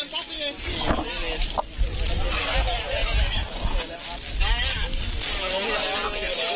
พาลูกค่ะพี่มุ่ง